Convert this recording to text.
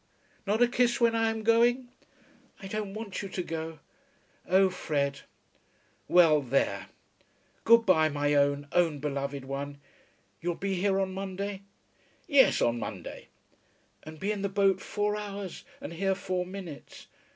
"Not a kiss when I am going?" "I don't want you to go. Oh, Fred! Well; there. Good bye, my own, own, own beloved one. You'll be here on Monday?" "Yes, on Monday." "And be in the boat four hours, and here four minutes.